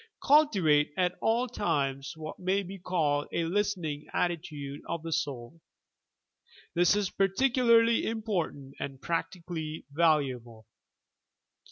5. Cultivate at all times what may be called a listening attitude of the soul. This is particularly important and practically valuable.